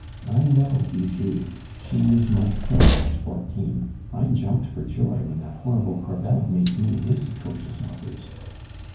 I know Bijou; she is myself at fourteen. I jumped for joy when that horrible Crevel made me his atrocious offers.